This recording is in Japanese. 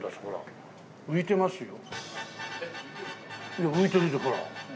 いや浮いてるほら。